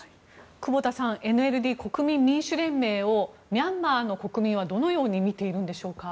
久保田さんＮＬＤ・国民民主連盟をミャンマーの国民はどのように見ているんでしょうか？